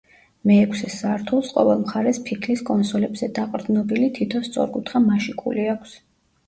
მეექვსე სართულს ყოველ მხარეს ფიქლის კონსოლებზე დაყრდნობილი თითო სწორკუთხა მაშიკული აქვს.